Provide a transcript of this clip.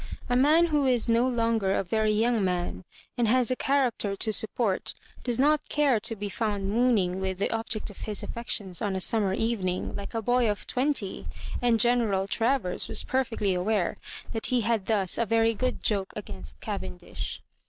A man who is no longer a very young man, and has a character to support, does not care to be found mooning with the object of his affections on a summer evening, like a boy of twenty ; and General Travers was perfectly aware that he had thus a very good joke against Cavendish.